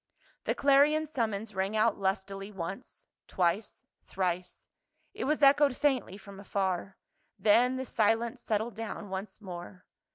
The clarion summons rang out lustily once, twice, thrice ; it was echoed faintly from afar, then the silence settled down once more.